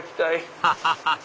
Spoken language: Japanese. ハハハハ！